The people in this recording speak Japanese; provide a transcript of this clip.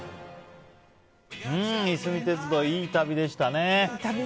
いすみ鉄道、いい旅でしたね。